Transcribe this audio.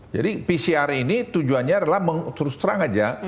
jadi pcr ini tujuannya adalah terus terang aja